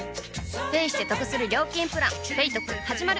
ペイしてトクする料金プラン「ペイトク」始まる！